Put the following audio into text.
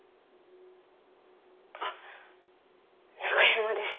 あっ中山です。